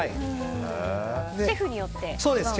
シェフによって違うんですか。